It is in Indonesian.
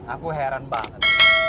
aku heran banget